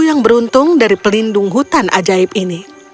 yang beruntung dari pelindung hutan ajaib ini